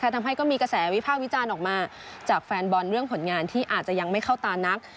ทำให้ก็มีกระแสวิภาควิจารณ์ออกมาจากแฟนบอลเรื่องผลงานที่อาจจะยังไม่เข้าตานัก